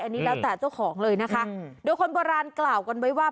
อันนี้แล้วแต่เจ้าของเลยนะคะโดยคนโบราณกล่าวกันไว้ว่า